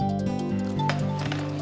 gak ada apa apa